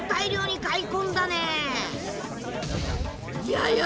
やや！